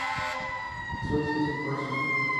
Je Suis Un Poisson"